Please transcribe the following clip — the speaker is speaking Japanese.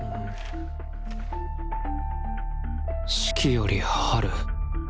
四季より「春」